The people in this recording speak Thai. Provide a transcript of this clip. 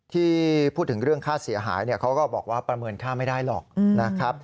ที่พูดถึงเรื่องค่าเสียหายเขาก็บอกว่าประเมินค่าไม่ได้หรอกนะครับ